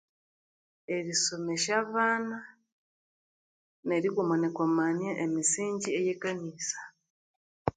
Eri somesya abana nerikwamakwamania emisingyi eye kanisa